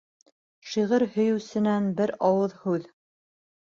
Шиғыр һөйөүсенән бер ауыҙ һүҙ